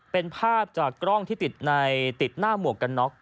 เป็นภาพจากกล้องที่ติดในติดหน้าหมวกกันน็อก